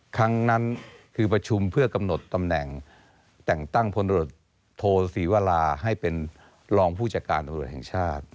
ครั้งนั้นคือประชุมเพื่อกำหนดตำแหน่งแต่งตั้งพลตรวจโทศรีวราให้เป็นรองผู้จัดการตำรวจแห่งชาติ